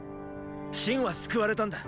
秦は救われたんだ。